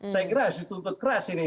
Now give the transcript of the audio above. saya kira hasil itu untuk keras ini